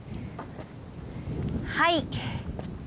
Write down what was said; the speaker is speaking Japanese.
はい。